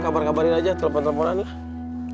ya udah kabarin aja telepon teleponan lah